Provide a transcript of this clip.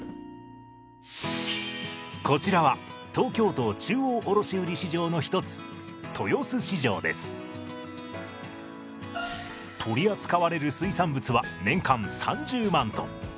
こちらは東京都中央卸売市場の一つ取り扱われる水産物は年間３０万トン。